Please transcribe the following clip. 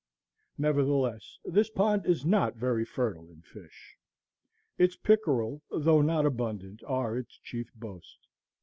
Nevertheless, this pond is not very fertile in fish. Its pickerel, though not abundant, are its chief boast.